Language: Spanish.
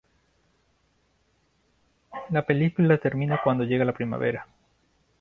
La película termina cuando llega la primavera.